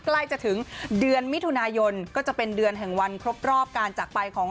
ใกล้จะถึงเดือนมิถุนายนก็จะเป็นเดือนแห่งวันครบรอบการจักรไปของ